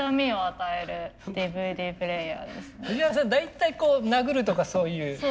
大体こう殴るとかそういう。